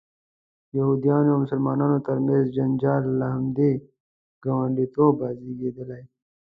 د یهودانو او مسلمانانو ترمنځ جنجال له همدې ګاونډیتوبه زیږېدلی.